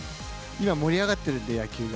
今、盛り上がってるんで、野球が。